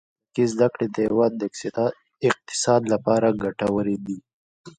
تخنیکي او مسلکي زده کړې د هیواد د اقتصاد لپاره ګټورې دي.